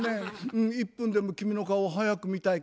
うん１分でも君の顔を早く見たいから。